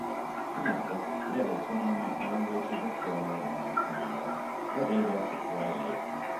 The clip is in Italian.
Il lago deve il suo nome all'anglicizzazione del nome spagnolo, Rodriguez Dry Lake.